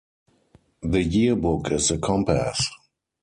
The yearbook is "The Compass".